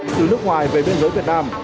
từ nước ngoài về biên giới việt nam